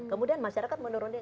kemudian masyarakat menurunkannya